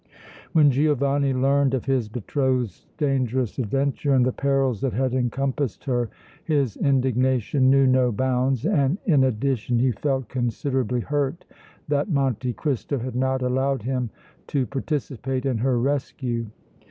When Giovanni learned of his betrothed's dangerous adventure and the perils that had encompassed her his indignation knew no bounds, and in addition he felt considerably hurt that Monte Cristo had not allowed him to participate in her rescue.